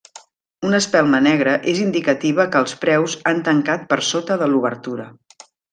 Una espelma negra és indicativa que els preus han tancat per sota de l'obertura.